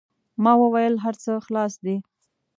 ما و ویل: هر څه خلاص دي.